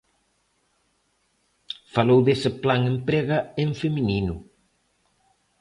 Falou dese plan Emprega en feminino.